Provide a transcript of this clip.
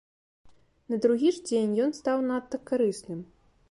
На другі ж дзень ён стаў надта карысным.